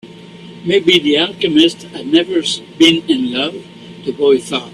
Maybe the alchemist has never been in love, the boy thought.